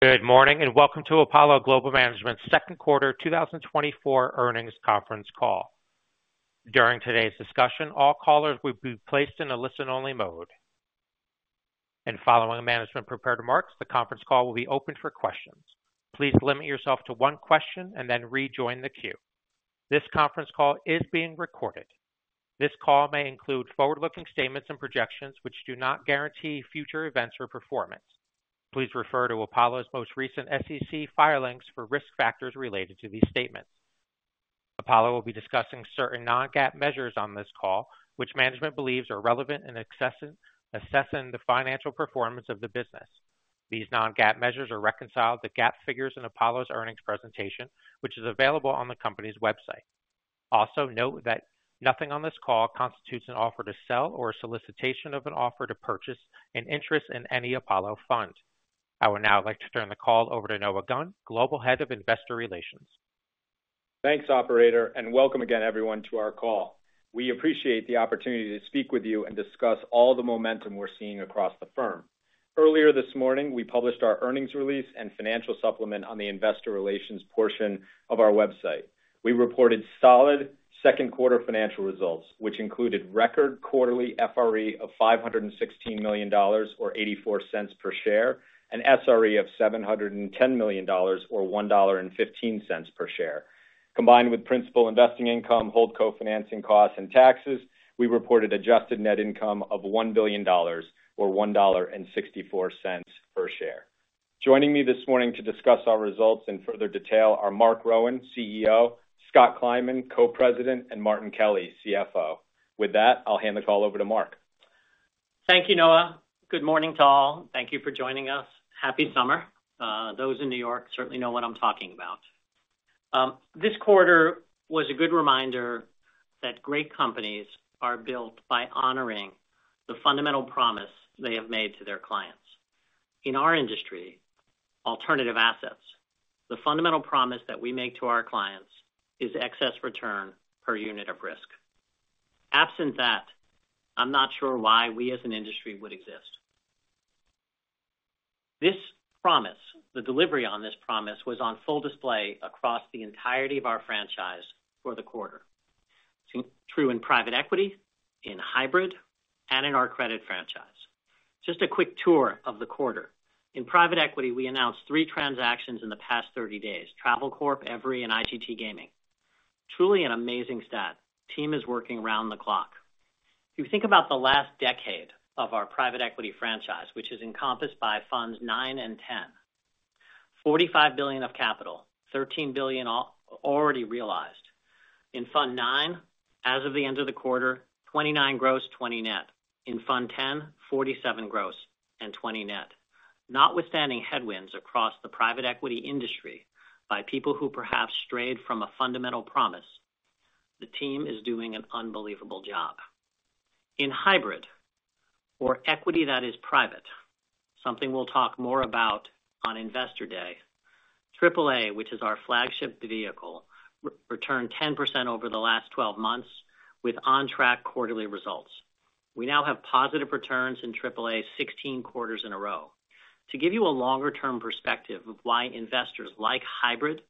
Good morning and welcome to Apollo Global Management's second quarter 2024 earnings conference call. During today's discussion, all callers will be placed in a listen-only mode. Following a management prepared remarks, the conference call will be open for questions. Please limit yourself to one question and then rejoin the queue. This conference call is being recorded. This call may include forward-looking statements and projections, which do not guarantee future events or performance. Please refer to Apollo's most recent SEC filings for risk factors related to these statements. Apollo will be discussing certain non-GAAP measures on this call, which management believes are relevant in assessing the financial performance of the business. These non-GAAP measures are reconciled to GAAP figures in Apollo's earnings presentation, which is available on the company's website. Also, note that nothing on this call constitutes an offer to sell or a solicitation of an offer to purchase an interest in any Apollo fund. I would now like to turn the call over to Noah Gunn, Global Head of Investor Relations. Thanks, Operator, and welcome again, everyone, to our call. We appreciate the opportunity to speak with you and discuss all the momentum we're seeing across the firm. Earlier this morning, we published our earnings release and financial supplement on the investor relations portion of our website. We reported solid second quarter financial results, which included record quarterly FRE of $516 million or $0.84 per share and SRE of $710 million or $1.15 per share. Combined with Principal Investing income, HoldCo financing costs, and taxes, we reported adjusted net income of $1 billion or $1.64 per share. Joining me this morning to discuss our results in further detail are Marc Rowan, CEO, Scott Kleinman, Co-President, and Martin Kelly, CFO. With that, I'll hand the call over to Marc. Thank you, Noah. Good morning to all. Thank you for joining us. Happy summer. Those in New York certainly know what I'm talking about. This quarter was a good reminder that great companies are built by honoring the fundamental promise they have made to their clients. In our industry, alternative assets, the fundamental promise that we make to our clients is excess return per unit of risk. Absent that, I'm not sure why we as an industry would exist. This promise, the delivery on this promise, was on full display across the entirety of our franchise for the quarter. True in private equity, in hybrid, and in our credit franchise. Just a quick tour of the quarter. In private equity, we announced three transactions in the past 30 days: Travel Corp, Everi, and IGT Gaming. Truly an amazing stat. Team is working around the clock. If you think about the last decade of our private equity franchise, which is encompassed by Funds 9 and 10, $45 billion of capital, $13 billion already realized. In Fund 9, as of the end of the quarter, $29 billion gross, $20 billion net. In Fund 10, $47 billion gross and $20 billion net. Notwithstanding headwinds across the private equity industry by people who perhaps strayed from a fundamental promise, the team is doing an unbelievable job. In hybrid, or equity that is private, something we'll talk more about on Investor Day, AAA, which is our flagship vehicle, returned 10% over the last 12 months with on-track quarterly results. We now have positive returns in AAA 16 quarters in a row. To give you a longer-term perspective of why investors like hybrid,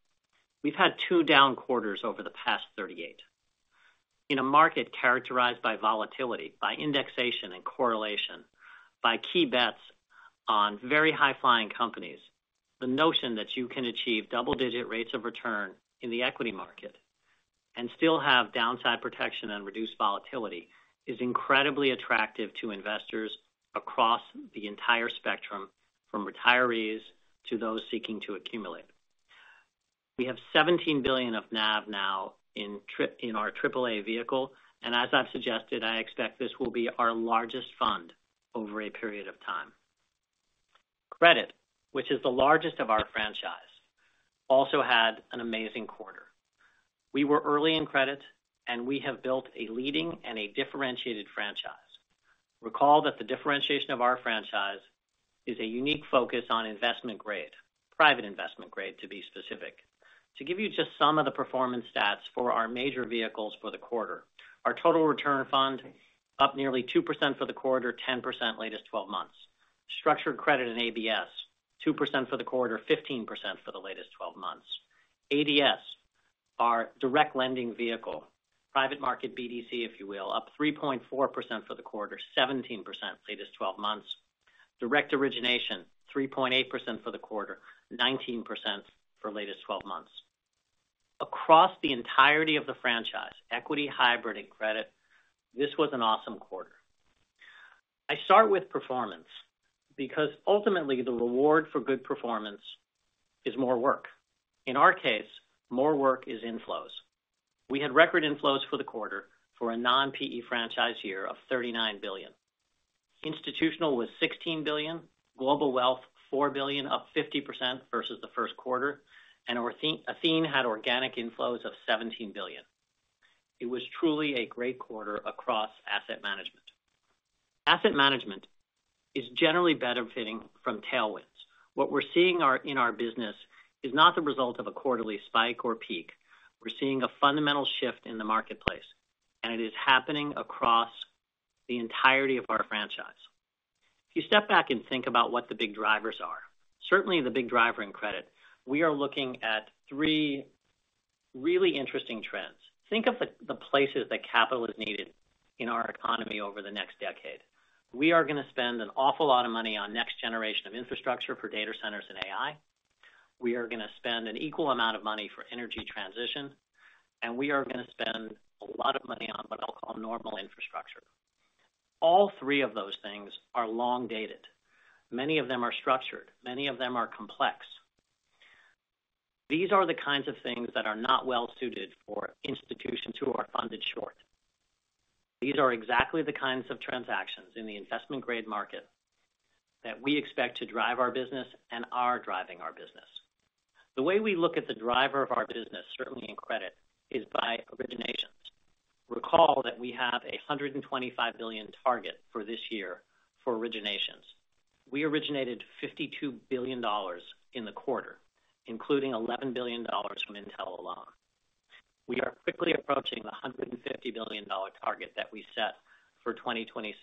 we've had 2 down quarters over the past 38. In a market characterized by volatility, by indexation and correlation, by key bets on very high-flying companies, the notion that you can achieve double-digit rates of return in the equity market and still have downside protection and reduced volatility is incredibly attractive to investors across the entire spectrum, from retirees to those seeking to accumulate. We have $17 billion of NAV now in our AAA vehicle, and as I've suggested, I expect this will be our largest fund over a period of time. Credit, which is the largest of our franchise, also had an amazing quarter. We were early in credit, and we have built a leading and a differentiated franchise. Recall that the differentiation of our franchise is a unique focus on investment grade, private investment grade, to be specific. To give you just some of the performance stats for our major vehicles for the quarter, our Total Feturn Fund up nearly 2% for the quarter, 10% latest 12 months. Structured credit and ABS, 2% for the quarter, 15% for the latest 12 months. ADS, our direct lending vehicle, private market BDC, if you will, up 3.4% for the quarter, 17% latest 12 months. Direct origination, 3.8% for the quarter, 19% for latest 12 months. Across the entirety of the franchise, equity, hybrid, and credit, this was an awesome quarter. I start with performance because ultimately the reward for good performance is more work. In our case, more work is inflows. We had record inflows for the quarter for a non-PE franchise year of $39 billion. Institutional was $16 billion, Global Wealth $4 billion, up 50% versus the first quarter, and Athene had organic inflows of $17 billion. It was truly a great quarter across asset management. Asset management is generally benefiting from tailwinds. What we're seeing in our business is not the result of a quarterly spike or peak. We're seeing a fundamental shift in the marketplace, and it is happening across the entirety of our franchise. If you step back and think about what the big drivers are, certainly the big driver in credit, we are looking at three really interesting trends. Think of the places that capital is needed in our economy over the next decade. We are going to spend an awful lot of money on next generation of infrastructure for data centers and AI. We are going to spend an equal amount of money for energy transition, and we are going to spend a lot of money on what I'll call normal infrastructure. All three of those things are long-dated. Many of them are structured. Many of them are complex. These are the kinds of things that are not well-suited for institutions who are funded short. These are exactly the kinds of transactions in the investment-grade market that we expect to drive our business and are driving our business. The way we look at the driver of our business, certainly in credit, is by originations. Recall that we have a $125 billion target for this year for originations. We originated $52 billion in the quarter, including $11 billion from Intel alone. We are quickly approaching the $150 billion target that we set for 2026,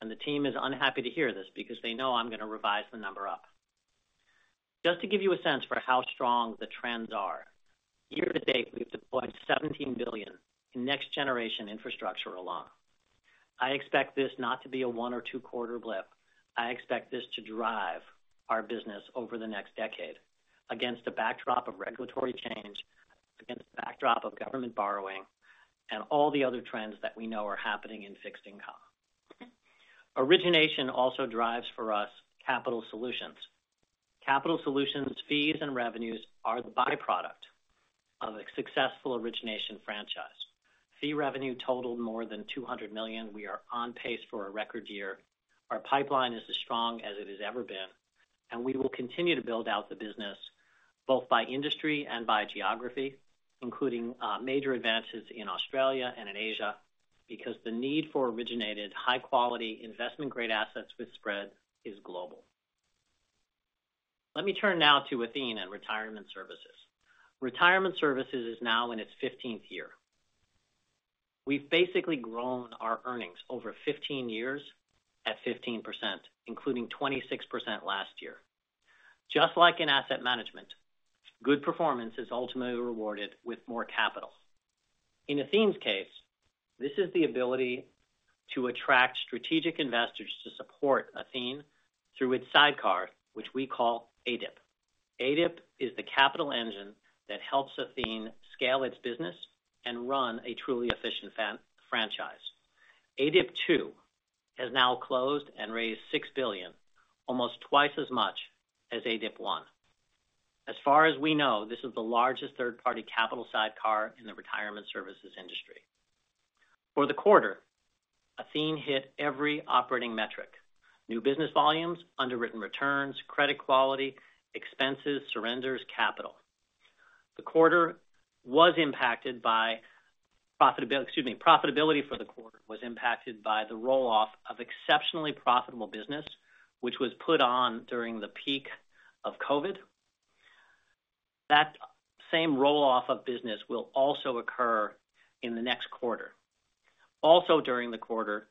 and the team is unhappy to hear this because they know I'm going to revise the number up. Just to give you a sense for how strong the trends are, year to date, we've deployed $17 billion in next-generation infrastructure alone. I expect this not to be a 1 or 2-quarter blip. I expect this to drive our business over the next decade against a backdrop of regulatory change, against a backdrop of government borrowing, and all the other trends that we know are happening in fixed income. Origination also drives for us capital solutions. Capital solutions, fees, and revenues are the byproduct of a successful origination franchise. Fee revenue totaled more than $200 million. We are on pace for a record year. Our pipeline is as strong as it has ever been, and we will continue to build out the business both by industry and by geography, including major advances in Australia and in Asia, because the need for originated high-quality investment-grade assets with spread is global. Let me turn now to Athene and retirement services. Retirement services is now in its 15th year. We've basically grown our earnings over 15 years at 15%, including 26% last year. Just like in asset management, good performance is ultimately rewarded with more capital. In Athene's case, this is the ability to attract strategic investors to support Athene through its sidecar, which we call ADIP. ADIP is the capital engine that helps Athene scale its business and run a truly efficient franchise. ADIP 2 has now closed and raised $6 billion, almost twice as much as ADIP 1. As far as we know, this is the largest third-party capital sidecar in the retirement services industry. For the quarter, Athene hit every operating metric: new business volumes, underwritten returns, credit quality, expenses, surrenders, capital. The quarter was impacted. Profitability for the quarter; it was impacted by the roll-off of exceptionally profitable business, which was put on during the peak of COVID. That same roll-off of business will also occur in the next quarter. Also during the quarter,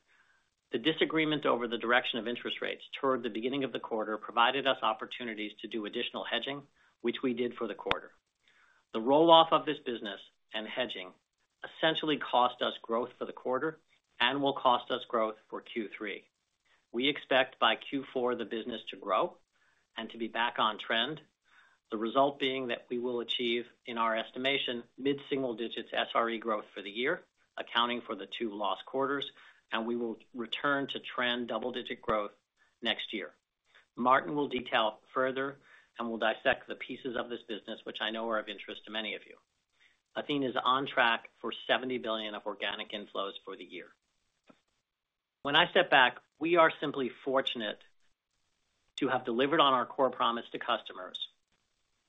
the disagreement over the direction of interest rates toward the beginning of the quarter provided us opportunities to do additional hedging, which we did for the quarter. The roll-off of this business and hedging essentially cost us growth for the quarter and will cost us growth for Q3. We expect by Q4 the business to grow and to be back on trend, the result being that we will achieve, in our estimation, mid-single digits SRE growth for the year, accounting for the two lost quarters, and we will return to trend double-digit growth next year. Martin will detail further and will dissect the pieces of this business, which I know are of interest to many of you. Athene is on track for $70 billion of organic inflows for the year. When I step back, we are simply fortunate to have delivered on our core promise to customers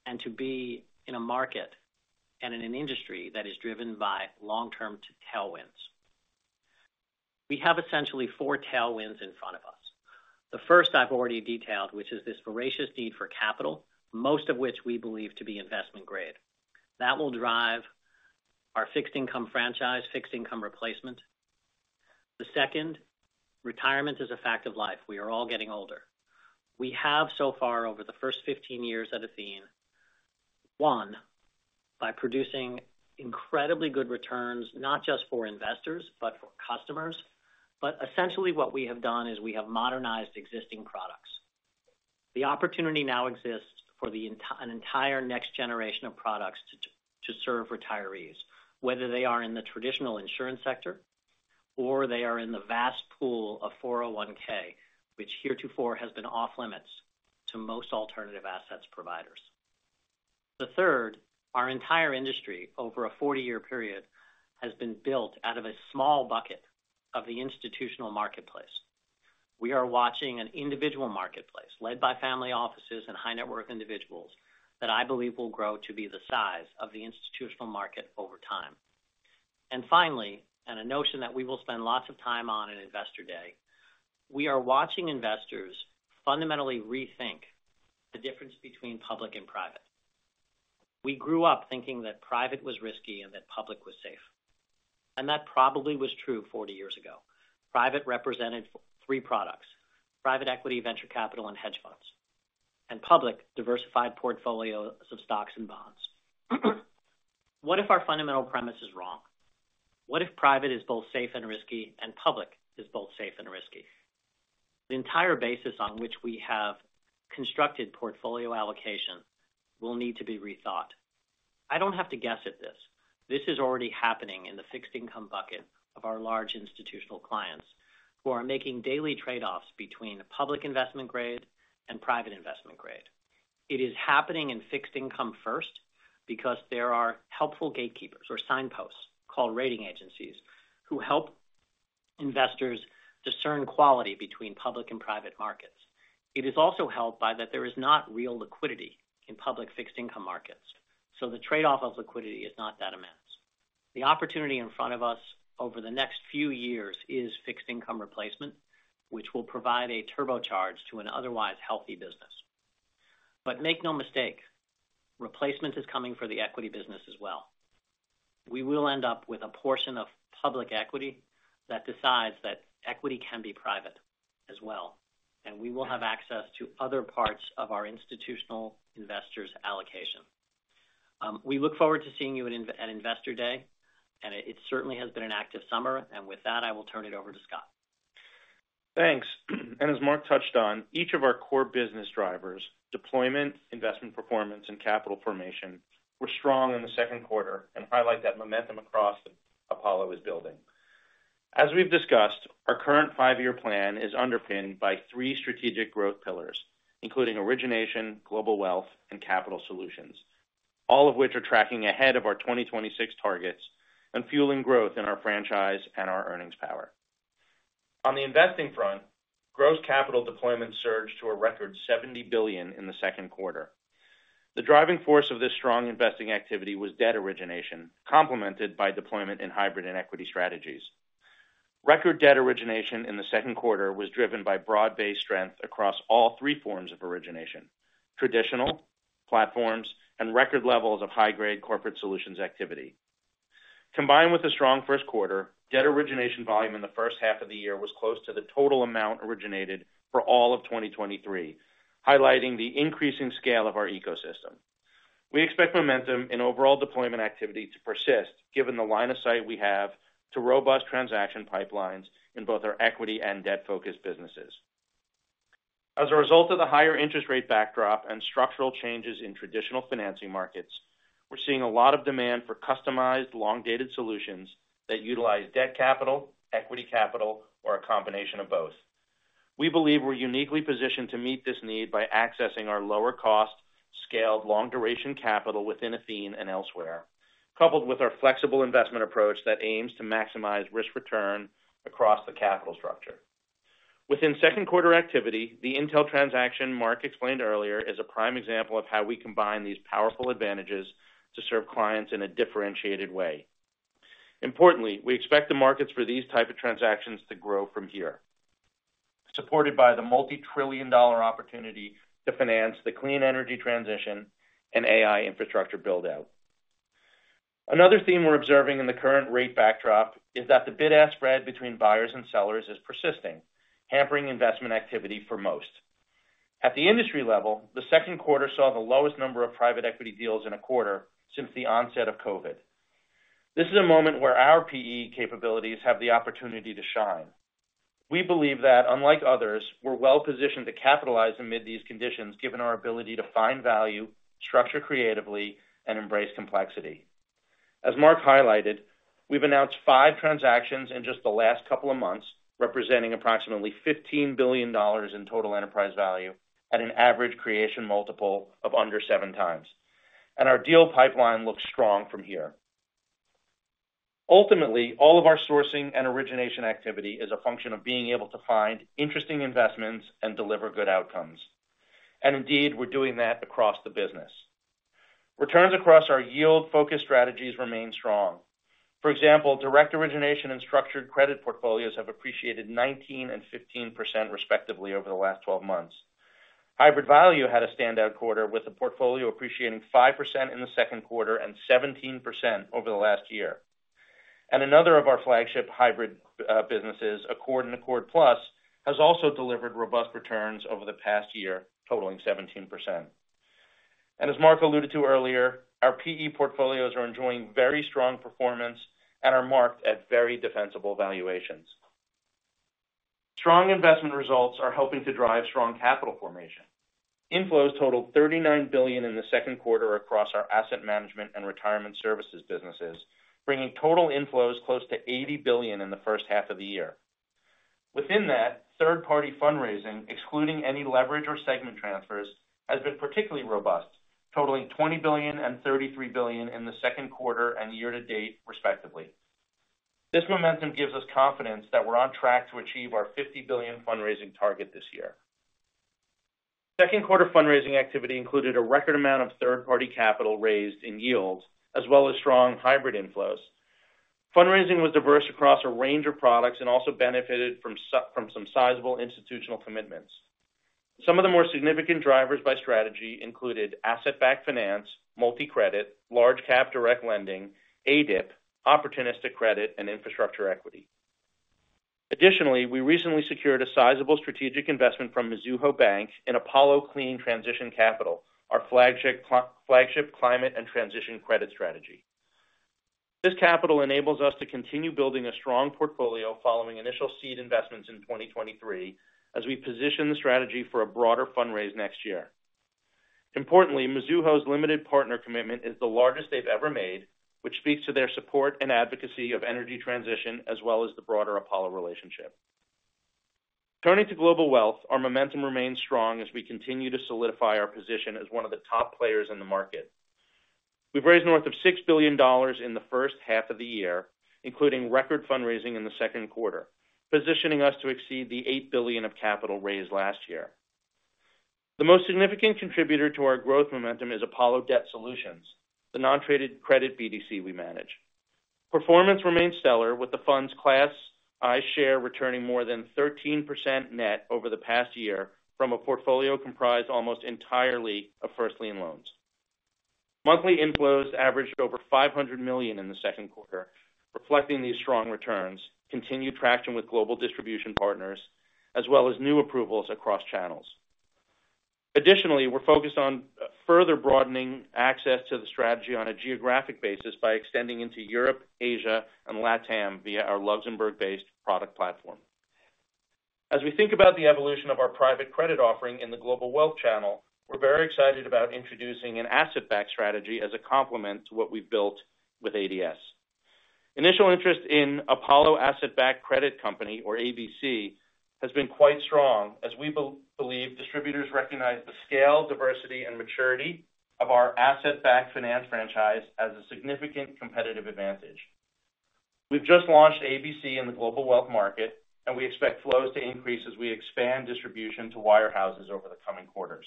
and to be in a market and in an industry that is driven by long-term tailwinds. We have essentially four tailwinds in front of us. The first I've already detailed, which is this voracious need for capital, most of which we believe to be investment grade. That will drive our fixed income franchise, fixed income replacement. The second, retirement is a fact of life. We are all getting older. We have so far, over the first 15 years at Athene, won by producing incredibly good returns, not just for investors but for customers. But essentially, what we have done is we have modernized existing products. The opportunity now exists for an entire next generation of products to serve retirees, whether they are in the traditional insurance sector or they are in the vast pool of 401(k), which heretofore has been off-limits to most alternative assets providers. The third, our entire industry over a 40-year period has been built out of a small bucket of the institutional marketplace. We are watching an individual marketplace led by family offices and high-net-worth individuals that I believe will grow to be the size of the institutional market over time. And finally, and a notion that we will spend lots of time on in Investor Day, we are watching investors fundamentally rethink the difference between public and private. We grew up thinking that private was risky and that public was safe, and that probably was true 40 years ago. Private represented three products: private equity, venture capital, and hedge funds, and public, diversified portfolios of stocks and bonds. What if our fundamental premise is wrong? What if private is both safe and risky and public is both safe and risky? The entire basis on which we have constructed portfolio allocation will need to be rethought. I don't have to guess at this. This is already happening in the fixed income bucket of our large institutional clients who are making daily trade-offs between public investment grade and private investment grade. It is happening in fixed income first because there are helpful gatekeepers or signposts called rating agencies who help investors discern quality between public and private markets. It is also helped by that there is not real liquidity in public fixed income markets, so the trade-off of liquidity is not that immense. The opportunity in front of us over the next few years is fixed income replacement, which will provide a turbocharge to an otherwise healthy business. But make no mistake, replacement is coming for the equity business as well. We will end up with a portion of public equity that decides that equity can be private as well, and we will have access to other parts of our institutional investors' allocation. We look forward to seeing you at Investor Day, and it certainly has been an active summer, and with that, I will turn it over to Scott. Thanks. And as Marc touched on, each of our core business drivers, deployment, investment performance, and capital formation, were strong in the second quarter and highlight that momentum across that Apollo is building. As we've discussed, our current five-year plan is underpinned by three strategic growth pillars, including origination, global wealth, and capital solutions, all of which are tracking ahead of our 2026 targets and fueling growth in our franchise and our earnings power. On the investing front, gross capital deployment surged to a record $70 billion in the second quarter. The driving force of this strong investing activity was debt origination, complemented by deployment in hybrid and equity strategies. Record debt origination in the second quarter was driven by broad-based strength across all three forms of origination: traditional, platforms, and record levels of high-grade corporate solutions activity. Combined with a strong first quarter, debt origination volume in the first half of the year was close to the total amount originated for all of 2023, highlighting the increasing scale of our ecosystem. We expect momentum in overall deployment activity to persist, given the line of sight we have to robust transaction pipelines in both our equity and debt-focused businesses. As a result of the higher interest rate backdrop and structural changes in traditional financing markets, we're seeing a lot of demand for customized, long-dated solutions that utilize debt capital, equity capital, or a combination of both. We believe we're uniquely positioned to meet this need by accessing our lower-cost, scaled, long-duration capital within Athene and elsewhere, coupled with our flexible investment approach that aims to maximize risk return across the capital structure. Within second quarter activity, the Intel transaction Mark explained earlier is a prime example of how we combine these powerful advantages to serve clients in a differentiated way. Importantly, we expect the markets for these types of transactions to grow from here, supported by the multi-trillion-dollar opportunity to finance the clean energy transition and AI infrastructure build-out. Another theme we're observing in the current rate backdrop is that the bid-ask spread between buyers and sellers is persisting, hampering investment activity for most. At the industry level, the second quarter saw the lowest number of private equity deals in a quarter since the onset of COVID. This is a moment where our PE capabilities have the opportunity to shine. We believe that, unlike others, we're well-positioned to capitalize amid these conditions, given our ability to find value, structure creatively, and embrace complexity. As Mark highlighted, we've announced 5 transactions in just the last couple of months, representing approximately $15 billion in total enterprise value at an average creation multiple of under 7 times. Our deal pipeline looks strong from here. Ultimately, all of our sourcing and origination activity is a function of being able to find interesting investments and deliver good outcomes. Indeed, we're doing that across the business. Returns across our yield-focused strategies remain strong. For example, direct origination and structured credit portfolios have appreciated 19% and 15% respectively over the last 12 months. Hybrid value had a standout quarter with a portfolio appreciating 5% in the second quarter and 17% over the last year. Another of our flagship hybrid businesses, Accord and Accord Plus, has also delivered robust returns over the past year, totaling 17%. As Marc alluded to earlier, our PE portfolios are enjoying very strong performance and are marked at very defensible valuations. Strong investment results are helping to drive strong capital formation. Inflows totaled $39 billion in the second quarter across our asset management and retirement services businesses, bringing total inflows close to $80 billion in the first half of the year. Within that, third-party fundraising, excluding any leverage or segment transfers, has been particularly robust, totaling $20 billion and $33 billion in the second quarter and year to date, respectively. This momentum gives us confidence that we're on track to achieve our $50 billion fundraising target this year. Second quarter fundraising activity included a record amount of third-party capital raised in yields, as well as strong hybrid inflows. Fundraising was diverse across a range of products and also benefited from some sizable institutional commitments. Some of the more significant drivers by strategy included asset-backed finance, multi-credit, large-cap direct lending, ADIP, opportunistic credit, and infrastructure equity. Additionally, we recently secured a sizable strategic investment from Mizuho Bank in Apollo Clean Transition Capital, our flagship climate and transition credit strategy. This capital enables us to continue building a strong portfolio following initial seed investments in 2023 as we position the strategy for a broader fundraise next year. Importantly, Mizuho's limited partner commitment is the largest they've ever made, which speaks to their support and advocacy of energy transition as well as the broader Apollo relationship. Turning to Global Wealth, our momentum remains strong as we continue to solidify our position as one of the top players in the market. We've raised north of $6 billion in the first half of the year, including record fundraising in the second quarter, positioning us to exceed the $8 billion of capital raised last year. The most significant contributor to our growth momentum is Apollo Debt Solutions, the non-traded credit BDC we manage. Performance remains stellar, with the fund's Class I share returning more than 13% net over the past year from a portfolio comprised almost entirely of first-lien loans. Monthly inflows averaged over $500 million in the second quarter, reflecting these strong returns, continued traction with global distribution partners, as well as new approvals across channels. Additionally, we're focused on further broadening access to the strategy on a geographic basis by extending into Europe, Asia, and LATAM via our Luxembourg-based product platform. As we think about the evolution of our private credit offering in the Global Wealth channel, we're very excited about introducing an asset-backed strategy as a complement to what we've built with ADS. Initial interest in Apollo Asset-Backed Credit Company, or ABC, has been quite strong, as we believe distributors recognize the scale, diversity, and maturity of our asset-backed finance franchise as a significant competitive advantage. We've just launched ABC in the Global Wealth market, and we expect flows to increase as we expand distribution to wirehouses over the coming quarters.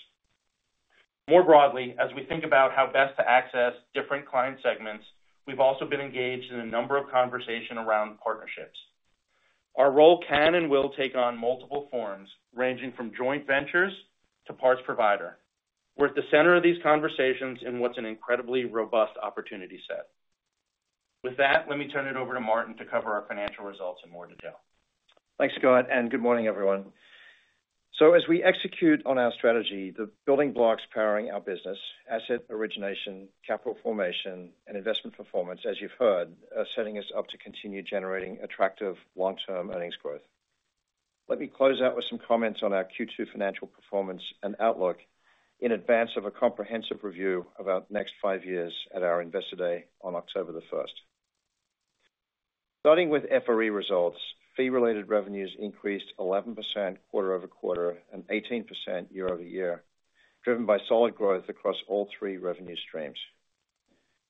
More broadly, as we think about how best to access different client segments, we've also been engaged in a number of conversations around partnerships. Our role can and will take on multiple forms, ranging from joint ventures to parts provider. We're at the center of these conversations in what's an incredibly robust opportunity set. With that, let me turn it over to Martin to cover our financial results in more detail. Thanks, Scott, and good morning, everyone. So as we execute on our strategy, the building blocks powering our business, asset origination, capital formation, and investment performance, as you've heard, are setting us up to continue generating attractive long-term earnings growth. Let me close out with some comments on our Q2 financial performance and outlook in advance of a comprehensive review of our next five years at our Investor Day on October the 1st. Starting with FRE results, fee-related revenues increased 11% quarter-over-quarter and 18% year-over-year, driven by solid growth across all three revenue streams.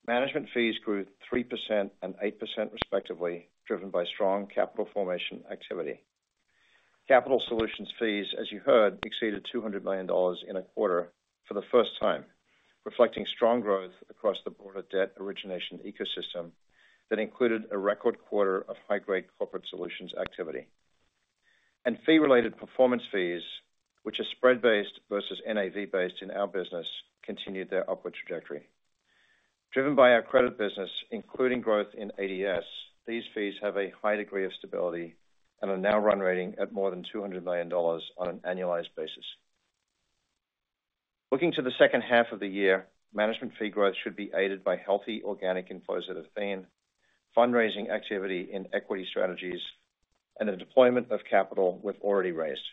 Management fees grew 3% and 8% respectively, driven by strong capital formation activity. Capital Solutions fees, as you heard, exceeded $200 million in a quarter for the first time, reflecting strong growth across the broader debt origination ecosystem that included a record quarter of high-grade corporate solutions activity. Fee-related performance fees, which are spread-based versus NAV-based in our business, continued their upward trajectory. Driven by our credit business, including growth in ADS, these fees have a high degree of stability and are now run-rate at more than $200 million on an annualized basis. Looking to the second half of the year, management fee growth should be aided by healthy organic inflows at Athene, fundraising activity in equity strategies, and the deployment of capital we've already raised.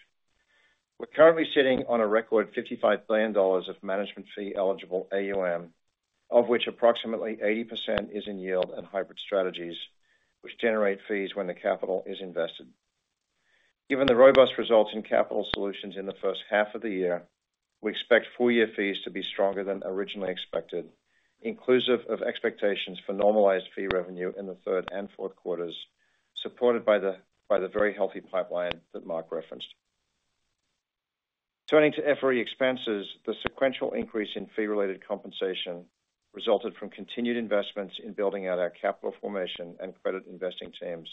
We're currently sitting on a record $55 billion of management fee-eligible AUM, of which approximately 80% is in yield and hybrid strategies, which generate fees when the capital is invested. Given the robust results in capital solutions in the first half of the year, we expect full-year fees to be stronger than originally expected, inclusive of expectations for normalized fee revenue in the third and fourth quarters, supported by the very healthy pipeline that Marc referenced. Turning to FRE expenses, the sequential increase in fee-related compensation resulted from continued investments in building out our capital formation and credit investing teams,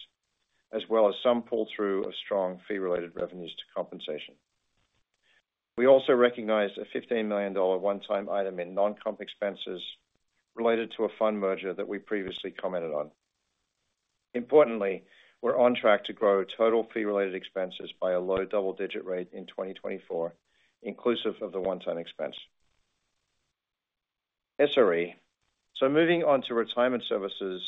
as well as some pull-through of strong fee-related revenues to compensation. We also recognized a $15 million one-time item in non-comp expenses related to a fund merger that we previously commented on. Importantly, we're on track to grow total fee-related expenses by a low double-digit rate in 2024, inclusive of the one-time expense. SRE. So moving on to retirement services,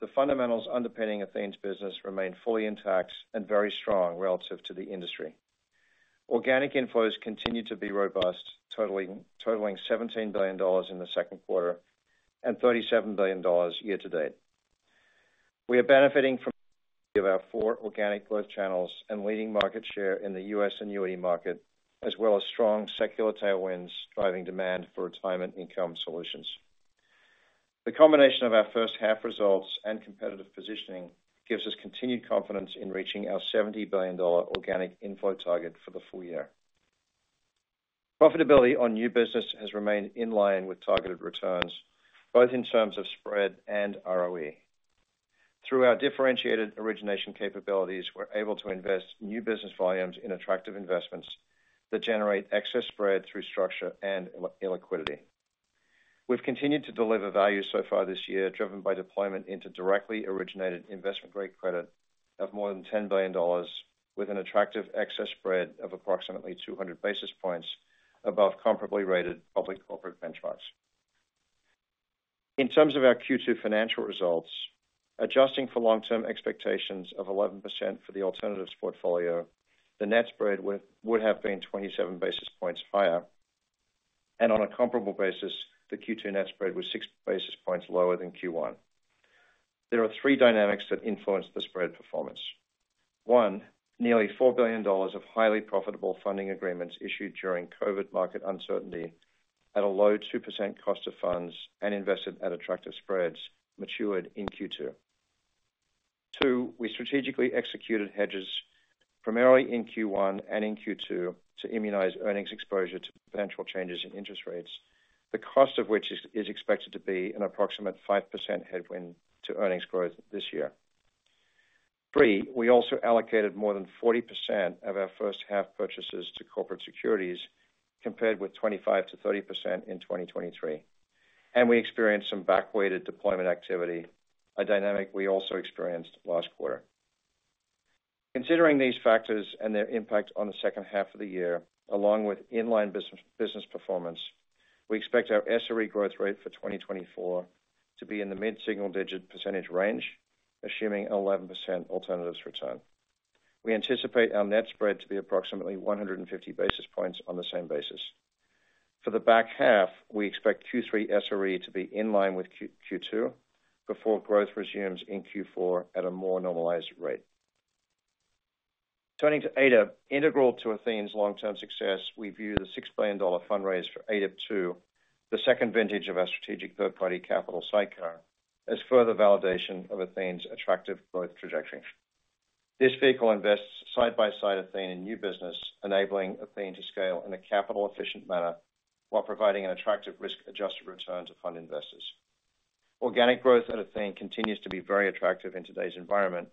the fundamentals underpinning Athene's business remain fully intact and very strong relative to the industry. Organic inflows continue to be robust, totaling $17 billion in the second quarter and $37 billion year to date. We are benefiting from our four organic growth channels and leading market share in the U.S. and UAE market, as well as strong secular tailwinds driving demand for retirement income solutions. The combination of our first-half results and competitive positioning gives us continued confidence in reaching our $70 billion organic inflow target for the full year. Profitability on new business has remained in line with targeted returns, both in terms of spread and ROE. Through our differentiated origination capabilities, we're able to invest new business volumes in attractive investments that generate excess spread through structure and illiquidity. We've continued to deliver value so far this year, driven by deployment into directly originated investment-grade credit of more than $10 billion, with an attractive excess spread of approximately 200 basis points above comparably rated public corporate benchmarks. In terms of our Q2 financial results, adjusting for long-term expectations of 11% for the alternatives portfolio, the net spread would have been 27 basis points higher. On a comparable basis, the Q2 net spread was 6 basis points lower than Q1. There are three dynamics that influence the spread performance. One, nearly $4 billion of highly profitable funding agreements issued during COVID market uncertainty at a low 2% cost of funds and invested at attractive spreads matured in Q2. Two, we strategically executed hedges primarily in Q1 and in Q2 to immunize earnings exposure to potential changes in interest rates, the cost of which is expected to be an approximate 5% headwind to earnings growth this year. Three, we also allocated more than 40% of our first-half purchases to corporate securities, compared with 25%-30% in 2023. And we experienced some back-weighted deployment activity, a dynamic we also experienced last quarter. Considering these factors and their impact on the second half of the year, along with in-line business performance, we expect our SRE growth rate for 2024 to be in the mid-single digit percentage range, assuming 11% alternatives return. We anticipate our net spread to be approximately 150 basis points on the same basis. For the back half, we expect Q3 SRE to be in line with Q2 before growth resumes in Q4 at a more normalized rate. Turning to ADIP, integral to Athene's long-term success, we view the $6 billion fundraise for ADIP 2, the second vintage of our strategic third-party capital sidecar, as further validation of Athene's attractive growth trajectory. This vehicle invests side by side Athene in new business, enabling Athene to scale in a capital-efficient manner while providing an attractive risk-adjusted return to fund investors. Organic growth at Athene continues to be very attractive in today's environment,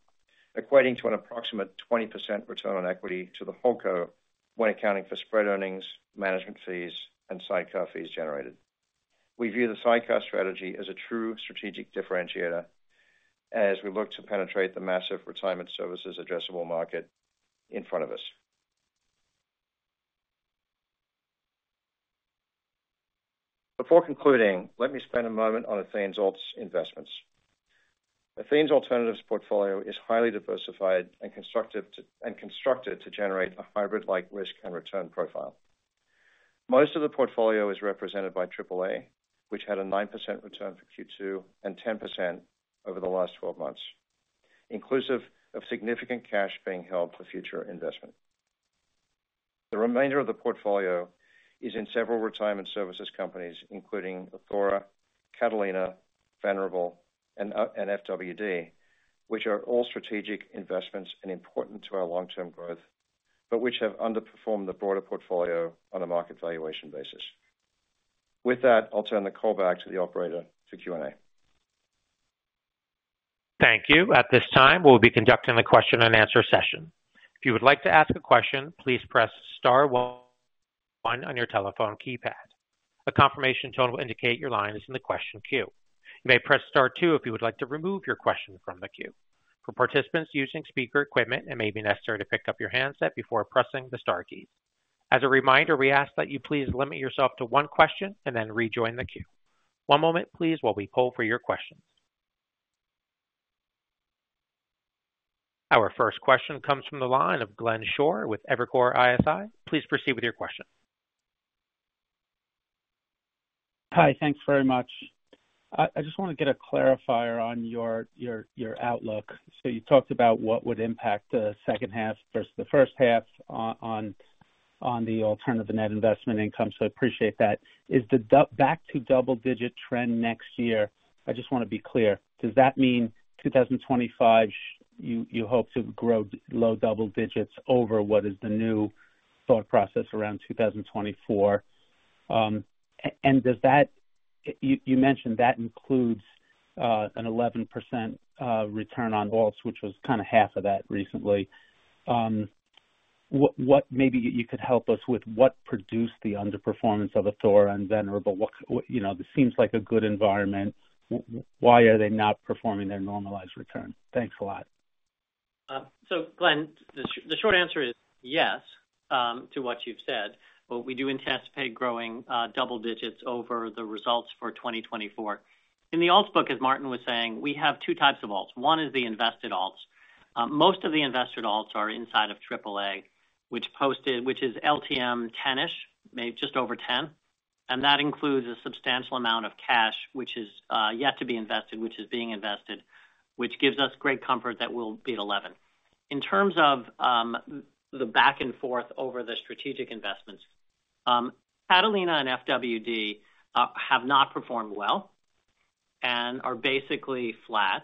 equating to an approximate 20% return on equity to the HoldCo when accounting for spread earnings, management fees, and sidecar fees generated. We view the sidecar strategy as a true strategic differentiator as we look to penetrate the massive retirement services addressable market in front of us. Before concluding, let me spend a moment on Athene's alts investments. Athene's alternatives portfolio is highly diversified and constructed to generate a hybrid-like risk and return profile. Most of the portfolio is represented by AAA, which had a 9% return for Q2 and 10% over the last 12 months, inclusive of significant cash being held for future investment. The remainder of the portfolio is in several retirement services companies, including Athora, Catalina, Venerable, and FWD, which are all strategic investments and important to our long-term growth, but which have underperformed the broader portfolio on a market valuation basis. With that, I'll turn the call back to the operator for Q&A. Thank you. At this time, we'll be conducting the question and answer session. If you would like to ask a question, please press Star 1 on your telephone keypad. A confirmation tone will indicate your line is in the question queue. You may press Star 2 if you would like to remove your question from the queue. For participants using speaker equipment, it may be necessary to pick up your handset before pressing the Star keys. As a reminder, we ask that you please limit yourself to one question and then rejoin the queue. One moment, please, while we pull for your questions. Our first question comes from the line of Glenn Schorr with Evercore ISI. Please proceed with your question. Hi, thanks very much. I just want to get a clarification on your outlook. So you talked about what would impact the second half versus the first half on the alternative net investment income, so I appreciate that. Is the back-to-double-digit trend next year? I just want to be clear. Does that mean 2025 you hope to grow low double digits over what? Is the new thought process around 2024? And you mentioned that includes an 11% return on alts, which was kind of half of that recently. Maybe you could help us with what produced the underperformance of Athora and Venerable. This seems like a good environment. Why are they not performing their normalized return? Thanks a lot. So Glenn, the short answer is yes to what you've said. We do anticipate growing double digits over the results for 2024. In the alts book, as Martin was saying, we have two types of alts. One is the invested alts. Most of the invested alts are inside of AAA, which is LTM 10-ish, just over 10. And that includes a substantial amount of cash, which is yet to be invested, which is being invested, which gives us great comfort that we'll be at 11. In terms of the back and forth over the strategic investments, Catalina and FWD have not performed well and are basically flat.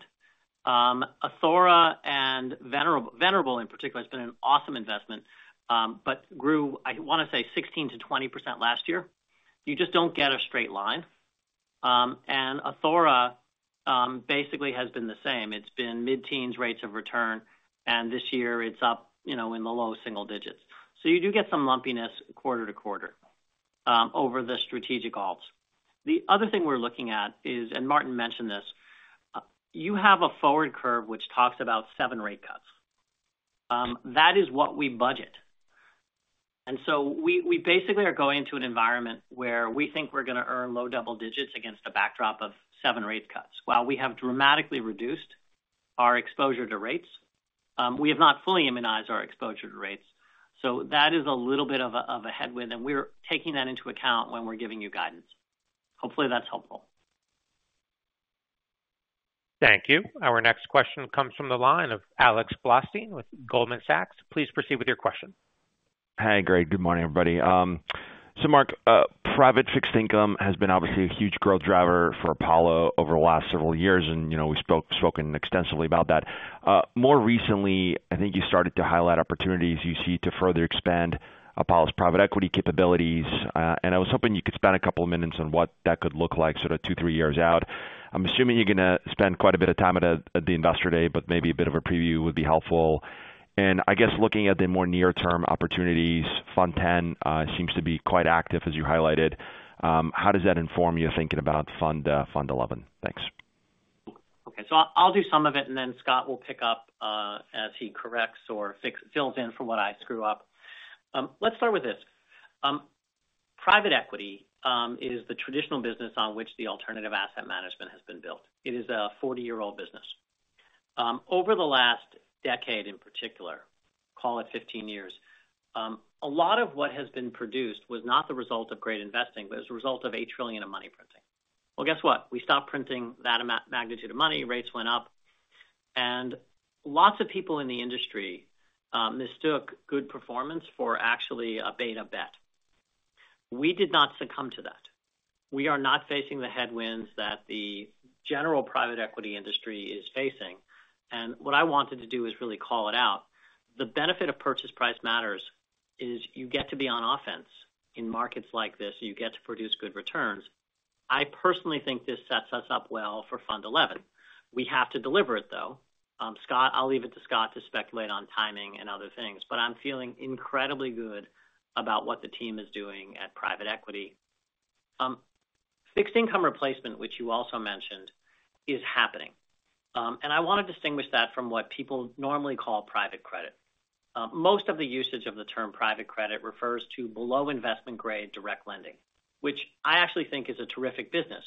Athora and Venerable, in particular, has been an awesome investment, but grew, I want to say, 16%-20% last year. You just don't get a straight line. Athora basically has been the same. It's been mid-teens rates of return, and this year it's up in the low single digits. So you do get some lumpiness quarter to quarter over the strategic alts. The other thing we're looking at is, and Martin mentioned this, you have a forward curve which talks about 7 rate cuts. That is what we budget. So we basically are going into an environment where we think we're going to earn low double digits against a backdrop of 7 rate cuts. While we have dramatically reduced our exposure to rates, we have not fully immunized our exposure to rates. So that is a little bit of a headwind, and we're taking that into account when we're giving you guidance. Hopefully, that's helpful. Thank you. Our next question comes from the line of Alex Blostein with Goldman Sachs. Please proceed with your question. Hi, Marc. Good morning, everybody. So Marc, private fixed income has been obviously a huge growth driver for Apollo over the last several years, and we've spoken extensively about that. More recently, I think you started to highlight opportunities you see to further expand Apollo's private equity capabilities. And I was hoping you could spend a couple of minutes on what that could look like sort of two, three years out. I'm assuming you're going to spend quite a bit of time at the investor day, but maybe a bit of a preview would be helpful. And I guess looking at the more near-term opportunities, Fund 10 seems to be quite active, as you highlighted. How does that inform your thinking about Fund 11? Thanks. Okay. So I'll do some of it, and then Scott will pick up as he corrects or fills in for what I screw up. Let's start with this. Private equity is the traditional business on which the alternative asset management has been built. It is a 40-year-old business. Over the last decade, in particular, call it 15 years, a lot of what has been produced was not the result of great investing, but as a result of $8 trillion of money printing. Well, guess what? We stopped printing that magnitude of money. Rates went up. Lots of people in the industry mistook good performance for actually a beta bet. We did not succumb to that. We are not facing the headwinds that the general private equity industry is facing. And what I wanted to do is really call it out. The benefit of purchase price matters is you get to be on offense in markets like this. You get to produce good returns. I personally think this sets us up well for Fund 11. We have to deliver it, though. I'll leave it to Scott to speculate on timing and other things, but I'm feeling incredibly good about what the team is doing at private equity. Fixed income replacement, which you also mentioned, is happening. And I want to distinguish that from what people normally call private credit. Most of the usage of the term private credit refers to below investment-grade direct lending, which I actually think is a terrific business,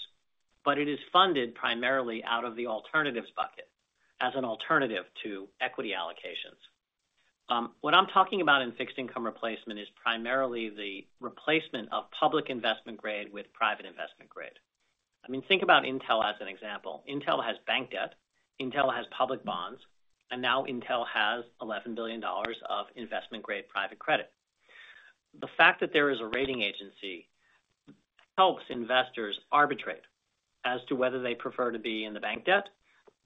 but it is funded primarily out of the alternatives bucket as an alternative to equity allocations. What I'm talking about in fixed income replacement is primarily the replacement of public investment grade with private investment grade. I mean, think about Intel as an example. Intel has bank debt. Intel has public bonds. And now Intel has $11 billion of investment-grade private credit. The fact that there is a rating agency helps investors arbitrate as to whether they prefer to be in the bank debt,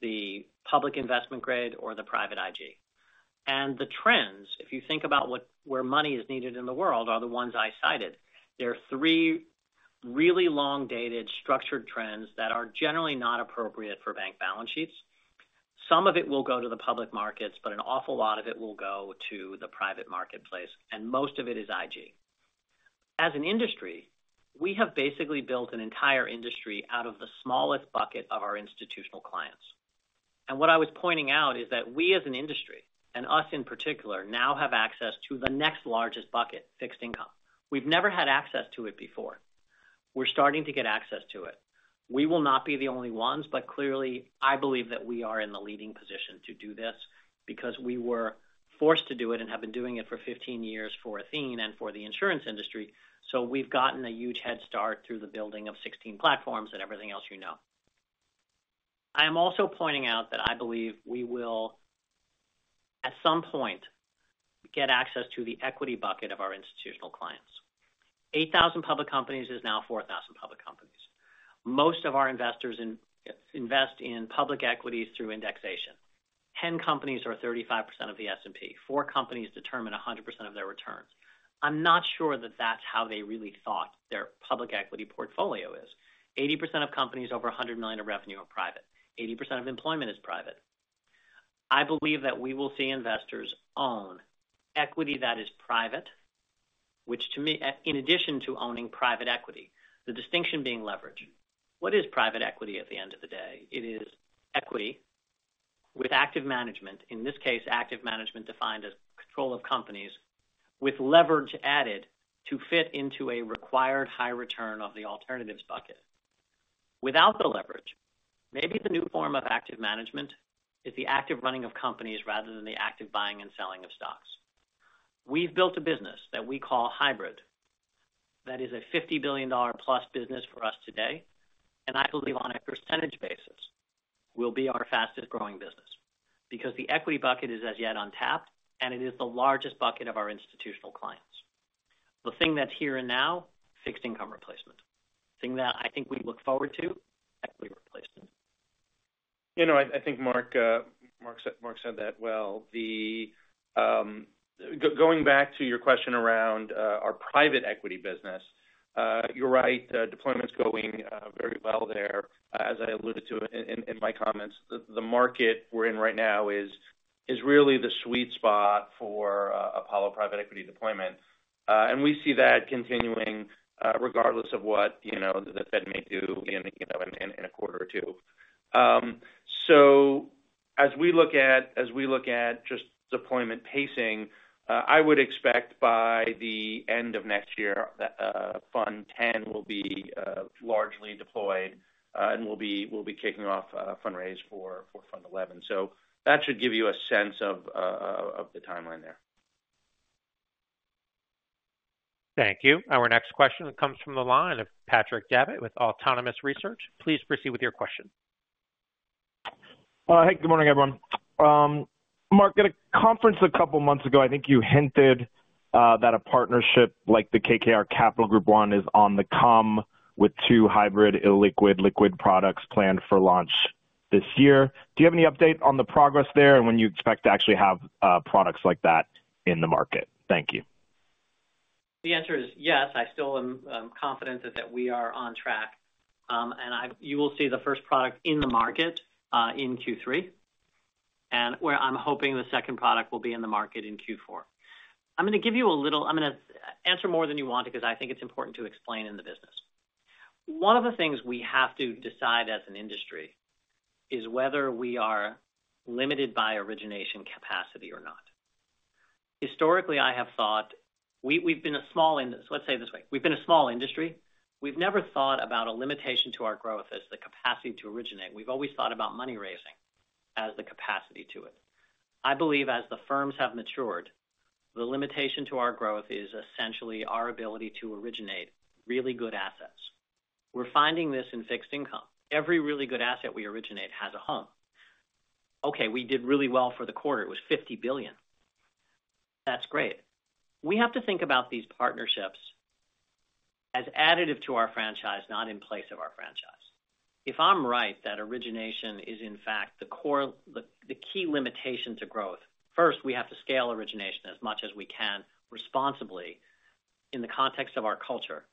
the public investment grade, or the private IG. And the trends, if you think about where money is needed in the world, are the ones I cited. There are three really long-dated structured trends that are generally not appropriate for bank balance sheets. Some of it will go to the public markets, but an awful lot of it will go to the private marketplace. And most of it is IG. As an industry, we have basically built an entire industry out of the smallest bucket of our institutional clients. And what I was pointing out is that we, as an industry, and us in particular, now have access to the next largest bucket, fixed income. We've never had access to it before. We're starting to get access to it. We will not be the only ones, but clearly, I believe that we are in the leading position to do this because we were forced to do it and have been doing it for 15 years for Athene and for the insurance industry. So we've gotten a huge head start through the building of 16 platforms and everything else you know. I am also pointing out that I believe we will, at some point, get access to the equity bucket of our institutional clients. 8,000 public companies is now 4,000 public companies. Most of our investors invest in public equities through indexation. 10 companies are 35% of the S&P. 4 companies determine 100% of their returns. I'm not sure that that's how they really thought their public equity portfolio is. 80% of companies over 100 million of revenue are private. 80% of employment is private. I believe that we will see investors own equity that is private, which, to me, in addition to owning private equity, the distinction being leverage. What is private equity at the end of the day? It is equity with active management, in this case, active management defined as control of companies with leverage added to fit into a required high return of the alternatives bucket. Without the leverage, maybe the new form of active management is the active running of companies rather than the active buying and selling of stocks. We've built a business that we call hybrid that is a $50 billion+ business for us today. I believe on a percentage basis, we'll be our fastest-growing business because the equity bucket is as yet untapped, and it is the largest bucket of our institutional clients. The thing that's here and now, fixed income replacement. The thing that I think we look forward to, equity replacement. You know, I think Mark said that well. Going back to your question around our private equity business, you're right. Deployment's going very well there. As I alluded to in my comments, the market we're in right now is really the sweet spot for Apollo private equity deployment. We see that continuing regardless of what the Fed may do in a quarter or two. As we look at just deployment pacing, I would expect by the end of next year, Fund 10 will be largely deployed and will be kicking off fundraise for Fund 11. That should give you a sense of the timeline there. Thank you. Our next question comes from the line of Patrick Davitt with Autonomous Research. Please proceed with your question. Hi, good morning, everyone. Mark, at a conference a couple of months ago, I think you hinted that a partnership like the KKR-Capital Group one is on the come with two hybrid, illiquid, liquid products planned for launch this year. Do you have any update on the progress there and when you expect to actually have products like that in the market? Thank you. The answer is yes. I still am confident that we are on track. You will see the first product in the market in Q3, and I'm hoping the second product will be in the market in Q4. I'm going to give you a little, I'm going to answer more than you want because I think it's important to explain in the business. One of the things we have to decide as an industry is whether we are limited by origination capacity or not. Historically, I have thought we've been a small, let's say it this way. We've been a small industry. We've never thought about a limitation to our growth as the capacity to originate. We've always thought about money raising as the capacity to it. I believe as the firms have matured, the limitation to our growth is essentially our ability to originate really good assets. We're finding this in fixed income. Every really good asset we originate has a home. Okay, we did really well for the quarter. It was $50 billion. That's great. We have to think about these partnerships as additive to our franchise, not in place of our franchise. If I'm right, that origination is, in fact, the key limitation to growth. First, we have to scale origination as much as we can responsibly in the context of our culture.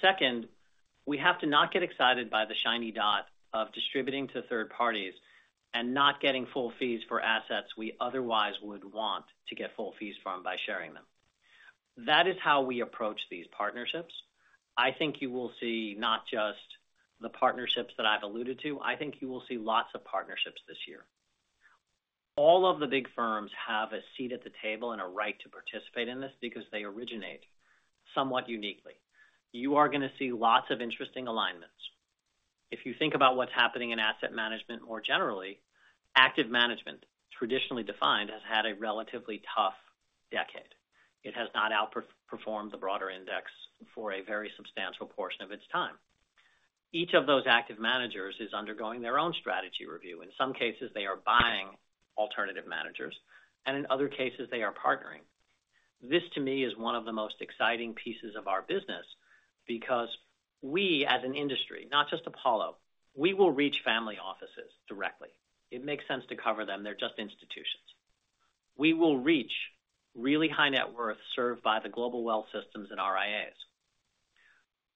Second, we have to not get excited by the shiny dot of distributing to third parties and not getting full fees for assets we otherwise would want to get full fees from by sharing them. That is how we approach these partnerships. I think you will see not just the partnerships that I've alluded to. I think you will see lots of partnerships this year. All of the big firms have a seat at the table and a right to participate in this because they originate somewhat uniquely. You are going to see lots of interesting alignments. If you think about what's happening in asset management more generally, active management, traditionally defined, has had a relatively tough decade. It has not outperformed the broader index for a very substantial portion of its time. Each of those active managers is undergoing their own strategy review. In some cases, they are buying alternative managers, and in other cases, they are partnering. This, to me, is one of the most exciting pieces of our business because we, as an industry, not just Apollo, we will reach family offices directly. It makes sense to cover them. They're just institutions. We will reach really high net worth served by the global wealth systems and RIAs.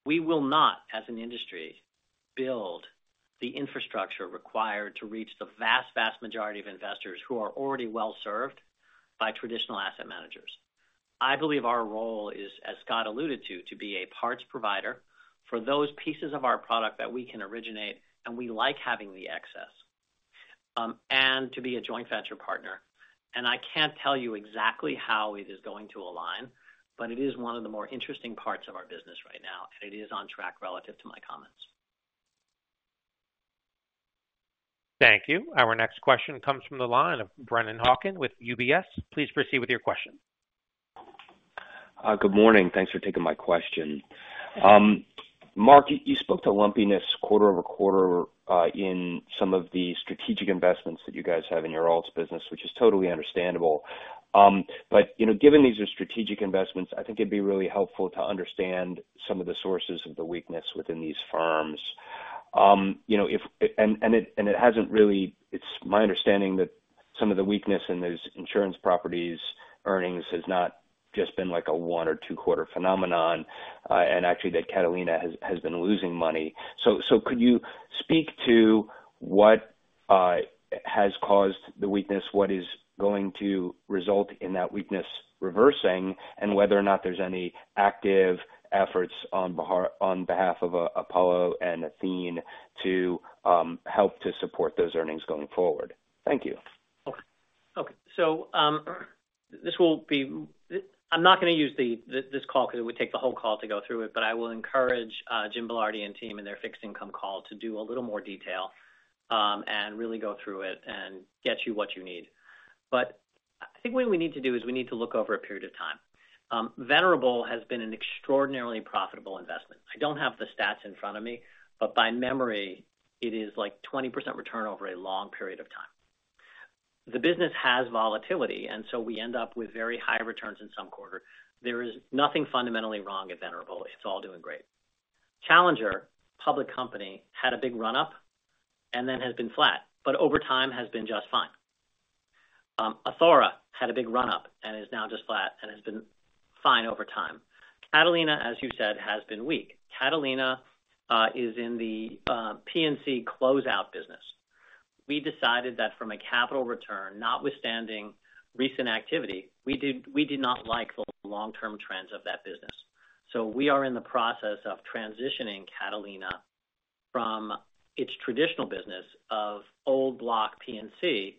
We will not, as an industry, build the infrastructure required to reach the vast, vast majority of investors who are already well-served by traditional asset managers. I believe our role is, as Scott alluded to, to be a parts provider for those pieces of our product that we can originate, and we like having the excess, and to be a joint venture partner. I can't tell you exactly how it is going to align, but it is one of the more interesting parts of our business right now, and it is on track relative to my comments. Thank you. Our next question comes from the line of Brennan Hawken with UBS. Please proceed with your question. Good morning. Thanks for taking my question. Mark, you spoke to lumpiness quarter-over-quarter in some of the strategic investments that you guys have in your Athene's business, which is totally understandable. But given these are strategic investments, I think it'd be really helpful to understand some of the sources of the weakness within these firms. And it hasn't really, it's my understanding that some of the weakness in those insurance properties' earnings has not just been like a 1- or 2-quarter phenomenon, and actually that Catalina has been losing money. So could you speak to what has caused the weakness, what is going to result in that weakness reversing, and whether or not there's any active efforts on behalf of Apollo and Athene to help to support those earnings going forward? Thank you. Okay. So this will be. I'm not going to use this call because it would take the whole call to go through it, but I will encourage Jim Belardi and team in their fixed income call to do a little more detail and really go through it and get you what you need. But I think what we need to do is we need to look over a period of time. Venerable has been an extraordinarily profitable investment. I don't have the stats in front of me, but by memory, it is like 20% return over a long period of time. The business has volatility, and so we end up with very high returns in some quarter. There is nothing fundamentally wrong at Venerable. It's all doing great. Challenger, public company, had a big run-up and then has been flat, but over time has been just fine. Athora had a big run-up and is now just flat and has been fine over time. Catalina, as you said, has been weak. Catalina is in the P&C closeout business. We decided that from a capital return, notwithstanding recent activity, we did not like the long-term trends of that business. So we are in the process of transitioning Catalina from its traditional business of old block P&C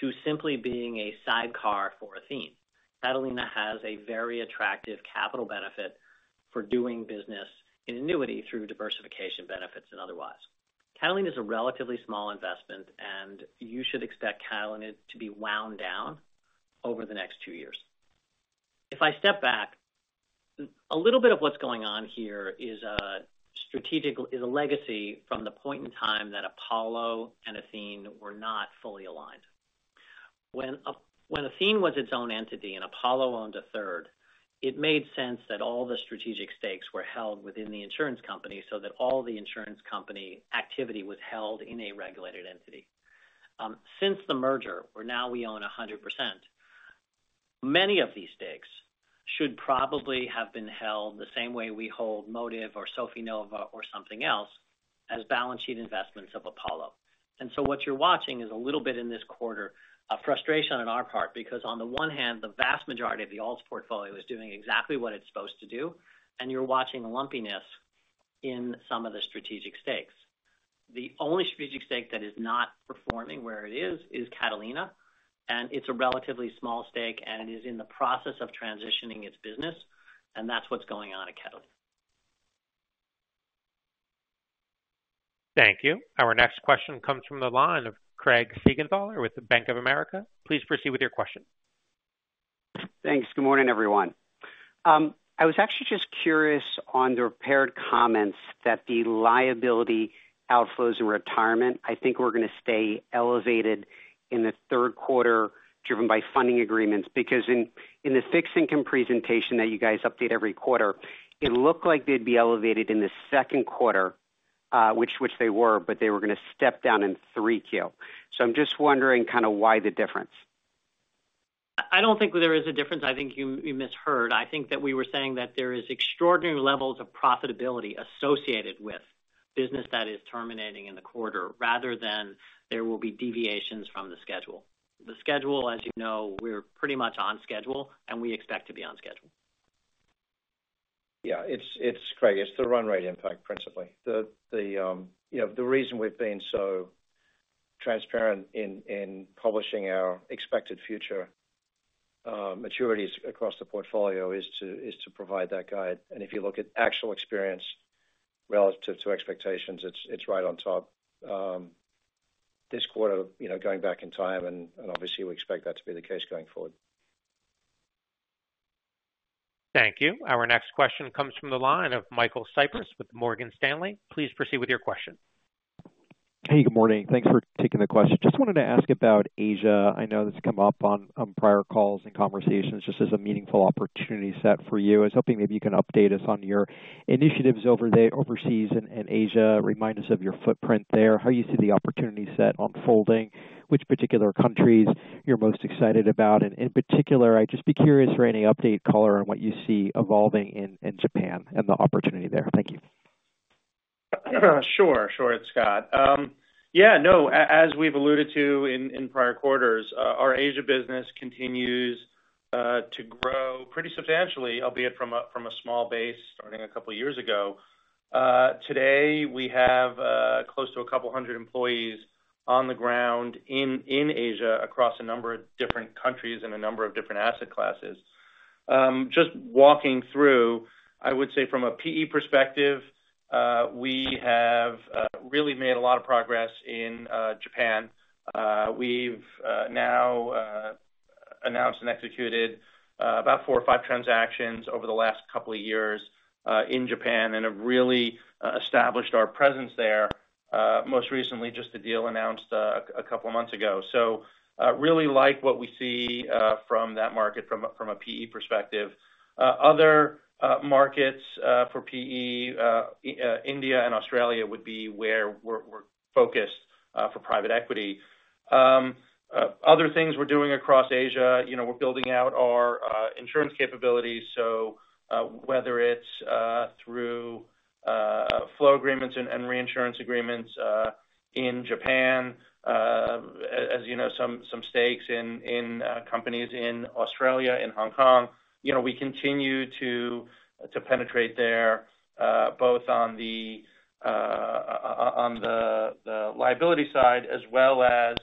to simply being a sidecar for Athene. Catalina has a very attractive capital benefit for doing business in annuity through diversification benefits and otherwise. Catalina is a relatively small investment, and you should expect Catalina to be wound down over the next two years. If I step back, a little bit of what's going on here is a legacy from the point in time that Apollo and Athene were not fully aligned. When Athene was its own entity and Apollo owned a third, it made sense that all the strategic stakes were held within the insurance company so that all the insurance company activity was held in a regulated entity. Since the merger, where now we own 100%, many of these stakes should probably have been held the same way we hold Motive or Sofinnova or something else as balance sheet investments of Apollo. And so what you're watching is a little bit in this quarter of frustration on our part because on the one hand, the vast majority of the Athene's portfolio is doing exactly what it's supposed to do, and you're watching lumpiness in some of the strategic stakes. The only strategic stake that is not performing where it is is Catalina, and it's a relatively small stake, and it is in the process of transitioning its business, and that's what's going on at Catalina. Thank you. Our next question comes from the line of Craig Siegenthaler with the Bank of America. Please proceed with your question. Thanks. Good morning, everyone. I was actually just curious on the prepared comments that the liability outflows in retirement, I think we're going to stay elevated in the third quarter driven by funding agreements because in the fixed income presentation that you guys update every quarter, it looked like they'd be elevated in the second quarter, which they were, but they were going to step down in 3Q. So I'm just wondering kind of why the difference. I don't think there is a difference. I think you misheard. I think that we were saying that there are extraordinary levels of profitability associated with business that is terminating in the quarter rather than there will be deviations from the schedule. The schedule, as you know, we're pretty much on schedule, and we expect to be on schedule. Yeah, it's great. It's the run rate impact, principally. The reason we've been so transparent in publishing our expected future maturities across the portfolio is to provide that guide. And if you look at actual experience relative to expectations, it's right on top. This quarter, going back in time, and obviously we expect that to be the case going forward. Thank you. Our next question comes from the line of Michael Cyprys with Morgan Stanley. Please proceed with your question. Hey, good morning. Thanks for taking the question. Just wanted to ask about Asia. I know this came up on prior calls and conversations just as a meaningful opportunity set for you. I was hoping maybe you can update us on your initiatives over there overseas and Asia. Remind us of your footprint there, how you see the opportunity set unfolding, which particular countries you're most excited about. And in particular, I'd just be curious for any update color on what you see evolving in Japan and the opportunity there. Thank you. Sure. Sure, it's Scott. Yeah, no, as we've alluded to in prior quarters, our Asia business continues to grow pretty substantially, albeit from a small base starting a couple of years ago. Today, we have close to 200 employees on the ground in Asia across a number of different countries and a number of different asset classes. Just walking through, I would say from a PE perspective, we have really made a lot of progress in Japan. We've now announced and executed about 4 or 5 transactions over the last couple of years in Japan and have really established our presence there. Most recently, just a deal announced a couple of months ago. So really like what we see from that market from a PE perspective. Other markets for PE, India and Australia would be where we're focused for private equity. Other things we're doing across Asia, we're building out our insurance capabilities. So whether it's through flow agreements and reinsurance agreements in Japan, as you know, some stakes in companies in Australia, in Hong Kong, we continue to penetrate there both on the liability side as well as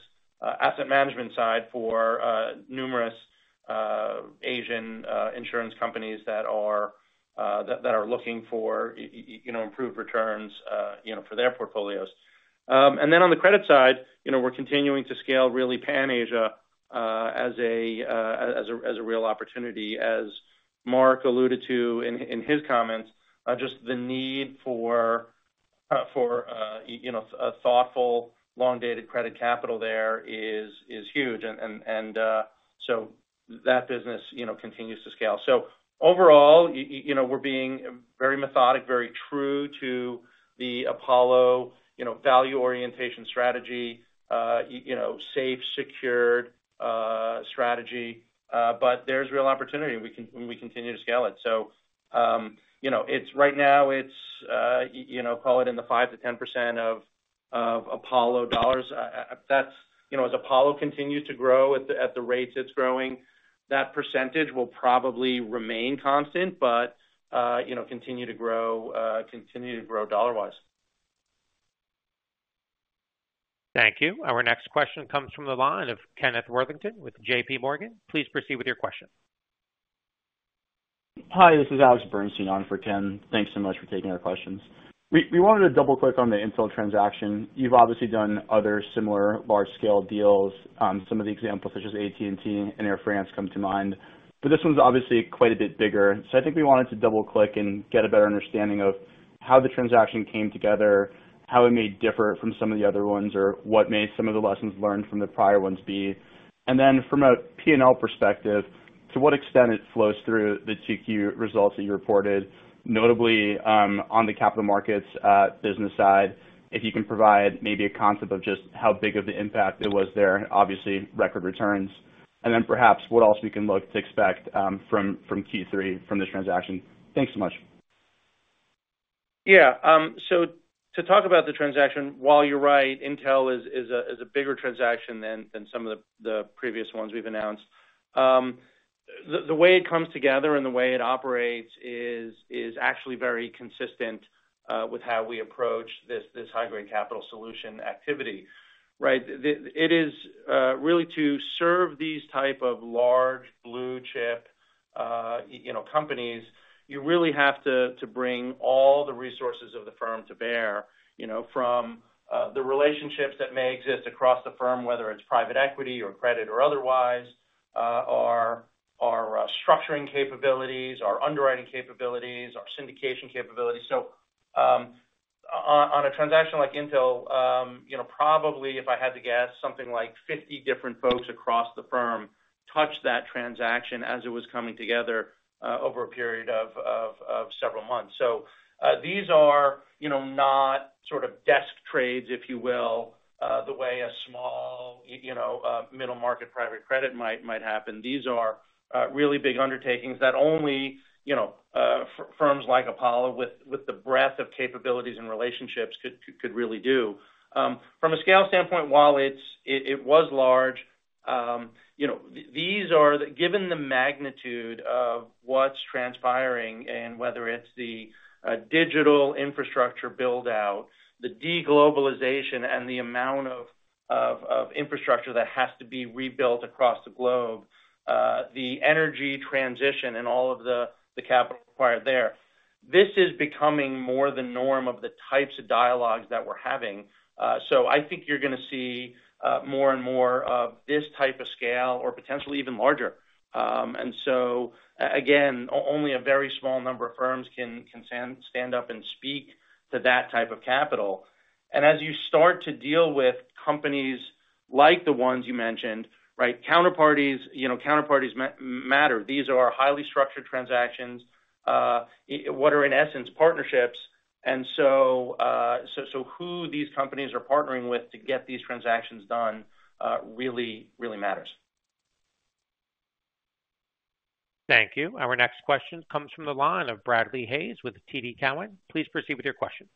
asset management side for numerous Asian insurance companies that are looking for improved returns for their portfolios. And then on the credit side, we're continuing to scale really pan-Asia as a real opportunity. As Marc alluded to in his comments, just the need for a thoughtful, long-dated credit capital there is huge. And so that business continues to scale. So overall, we're being very methodic, very true to the Apollo value orientation strategy, safe, secured strategy, but there's real opportunity when we continue to scale it. So right now, it's call it in the 5%-10% of Apollo dollars. As Apollo continues to grow at the rates it's growing, that percentage will probably remain constant, but continue to grow dollar-wise. Thank you. Our next question comes from the line of Kenneth Worthington with JP Morgan. Please proceed with your question. Hi, this is Alex Bernstein on for Ken. Thanks so much for taking our questions. We wanted to double-click on the Intel transaction. You've obviously done other similar large-scale deals. Some of the examples such as AT&T and Air France come to mind, but this one's obviously quite a bit bigger. So I think we wanted to double-click and get a better understanding of how the transaction came together, how it may differ from some of the other ones, or what may some of the lessons learned from the prior ones be. And then from a P&L perspective, to what extent it flows through the 2Q results that you reported, notably on the capital markets business side, if you can provide maybe a concept of just how big of an impact it was there, obviously record returns, and then perhaps what else we can look to expect from Q3 from this transaction. Thanks so much. Yeah. So to talk about the transaction, while you're right, Intel is a bigger transaction than some of the previous ones we've announced. The way it comes together and the way it operates is actually very consistent with how we approach this high-grade capital solution activity. Right? It is really to serve these type of large blue chip companies, you really have to bring all the resources of the firm to bear from the relationships that may exist across the firm, whether it's private equity or credit or otherwise, our structuring capabilities, our underwriting capabilities, our syndication capabilities. So on a transaction like Intel, probably if I had to guess, something like 50 different folks across the firm touched that transaction as it was coming together over a period of several months. So these are not sort of desk trades, if you will, the way a small middle market private credit might happen. These are really big undertakings that only firms like Apollo with the breadth of capabilities and relationships could really do. From a scale standpoint, while it was large, these are, given the magnitude of what's transpiring and whether it's the digital infrastructure build-out, the deglobalization, and the amount of infrastructure that has to be rebuilt across the globe, the energy transition, and all of the capital required there, this is becoming more the norm of the types of dialogues that we're having. So I think you're going to see more and more of this type of scale or potentially even larger. And so again, only a very small number of firms can stand up and speak to that type of capital. And as you start to deal with companies like the ones you mentioned, right, counterparties matter. These are highly structured transactions that are, in essence, partnerships. And so who these companies are partnering with to get these transactions done really matters. Thank you. Our next question comes from the line of Bradley Hayes with TD Cowen. Please proceed with your question.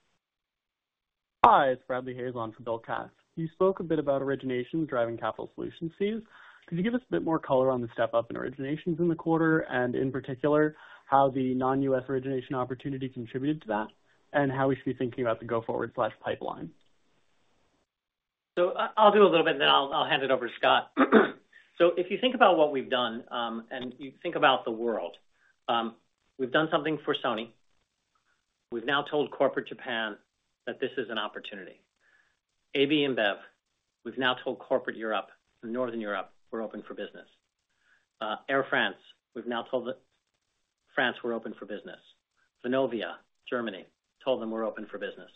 Hi, it's Bradley Hayes on for Bill Katz. You spoke a bit about originations driving capital solutions. Could you give us a bit more color on the step-up in originations in the quarter and in particular how the non-U.S. origination opportunity contributed to that and how we should be thinking about the go forward/pipeline? So I'll do a little bit, then I'll hand it over to Scott. So if you think about what we've done and you think about the world, we've done something for Sony. We've now told corporate Japan that this is an opportunity. AB InBev, we've now told corporate Europe, Northern Europe, we're open for business. Air France, we've now told France we're open for business. Vonovia, Germany, told them we're open for business.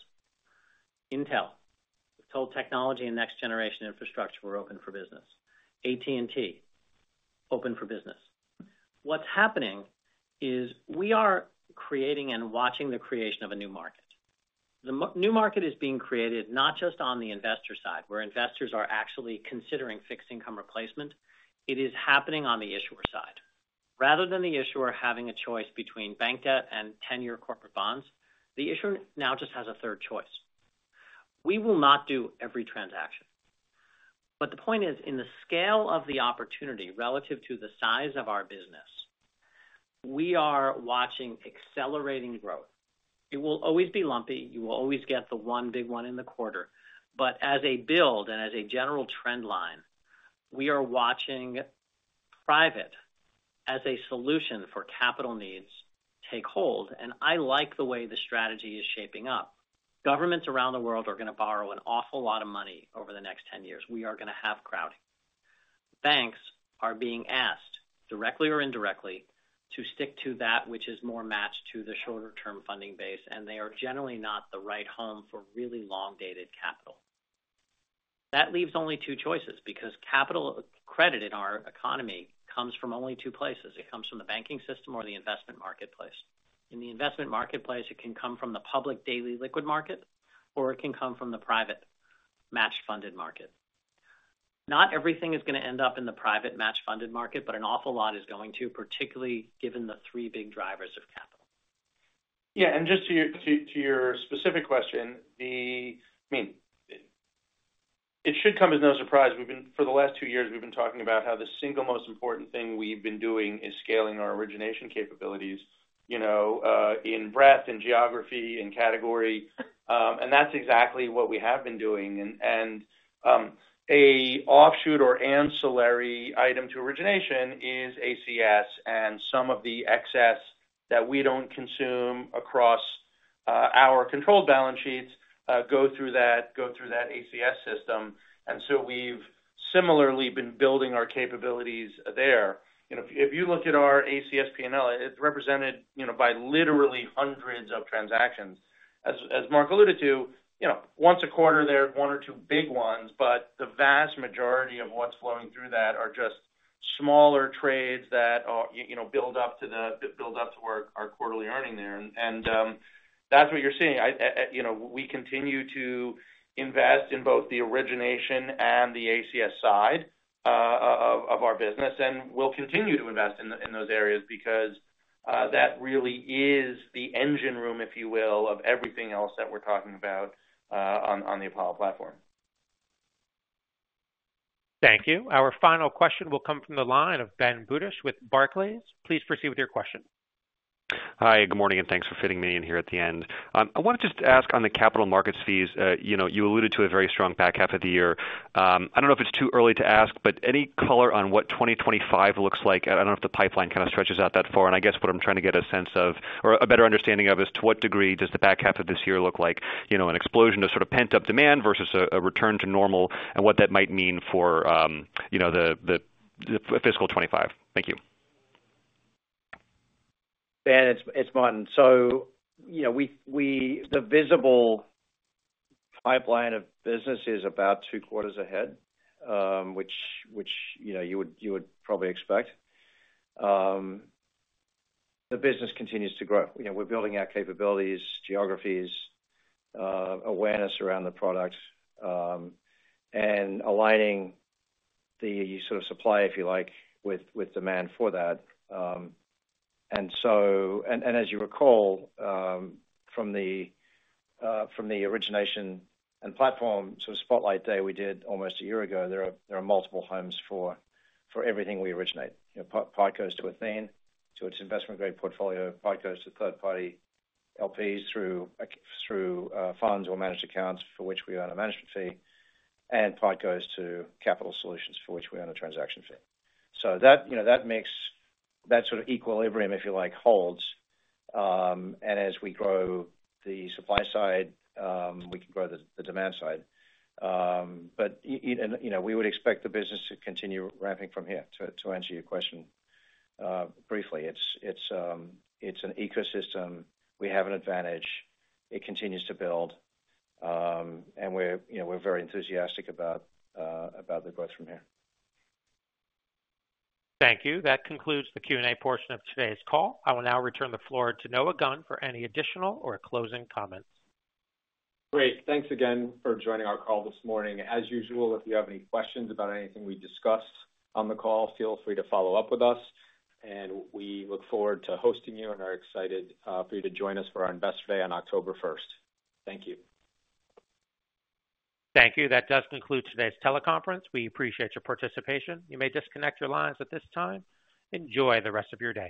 Intel, we've told technology and next-generation infrastructure we're open for business. AT&T, open for business. What's happening is we are creating and watching the creation of a new market. The new market is being created not just on the investor side where investors are actually considering fixed income replacement. It is happening on the issuer side. Rather than the issuer having a choice between bank debt and 10-year corporate bonds, the issuer now just has a third choice. We will not do every transaction. But the point is, in the scale of the opportunity relative to the size of our business, we are watching accelerating growth. It will always be lumpy. You will always get the one big one in the quarter. But as a build and as a general trend line, we are watching private as a solution for capital needs take hold. And I like the way the strategy is shaping up. Governments around the world are going to borrow an awful lot of money over the next 10 years. We are going to have crowding. Banks are being asked directly or indirectly to stick to that which is more matched to the shorter-term funding base, and they are generally not the right home for really long-dated capital. That leaves only two choices because capital credit in our economy comes from only two places. It comes from the banking system or the investment marketplace. In the investment marketplace, it can come from the public daily liquid market, or it can come from the private matched funded market. Not everything is going to end up in the private matched funded market, but an awful lot is going to, particularly given the three big drivers of capital. Yeah. And just to your specific question, I mean, it should come as no surprise. For the last two years, we've been talking about how the single most important thing we've been doing is scaling our origination capabilities in breadth and geography and category. And that's exactly what we have been doing. And an offshoot or ancillary item to origination is ACS, and some of the excess that we don't consume across our controlled balance sheets go through that ACS system. And so we've similarly been building our capabilities there. If you look at our ACS P&L, it's represented by literally hundreds of transactions. As Marc alluded to, once a quarter, there are one or two big ones, but the vast majority of what's flowing through that are just smaller trades that build up to our quarterly earnings there. And that's what you're seeing. We continue to invest in both the origination and the ACS side of our business, and we'll continue to invest in those areas because that really is the engine room, if you will, of everything else that we're talking about on the Apollo platform. Thank you. Our final question will come from the line of Ben Budish with Barclays. Please proceed with your question. Hi, good morning, and thanks for fitting me in here at the end. I want to just ask on the capital markets fees. You alluded to a very strong back half of the year. I don't know if it's too early to ask, but any color on what 2025 looks like? I don't know if the pipeline kind of stretches out that far. And I guess what I'm trying to get a sense of or a better understanding of is to what degree does the back half of this year look like? An explosion of sort of pent-up demand versus a return to normal and what that might mean for the fiscal 2025. Thank you. Ben, it's Martin. So the visible pipeline of business is about two quarters ahead, which you would probably expect. The business continues to grow. We're building our capabilities, geographies, awareness around the product, and aligning the sort of supply, if you like, with demand for that. As you recall, from the origination and platform sort of spotlight day we did almost a year ago, there are multiple homes for everything we originate. Part goes to Athene, to its Investment Grade portfolio. Part goes to third-party LPs through funds or managed accounts for which we earn a management fee. And part goes to Capital Solutions for which we earn a transaction fee. So that sort of equilibrium, if you like, holds. And as we grow the supply side, we can grow the demand side. But we would expect the business to continue ramping from here. To answer your question briefly, it's an ecosystem. We have an advantage. It continues to build. And we're very enthusiastic about the growth from here. Thank you. That concludes the Q&A portion of today's call. I will now return the floor to Noah Gunn for any additional or closing comments. Great. Thanks again for joining our call this morning. As usual, if you have any questions about anything we discussed on the call, feel free to follow up with us. We look forward to hosting you and are excited for you to join us for our investor day on October 1st. Thank you. Thank you. That does conclude today's teleconference. We appreciate your participation. You may disconnect your lines at this time. Enjoy the rest of your day.